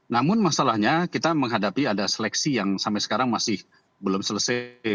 namun masalahnya kita menghadapi ada seleksi yang sampai sekarang masih belum selesai